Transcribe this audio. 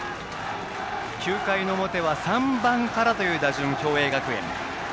９回の表は３番からという打順の共栄学園。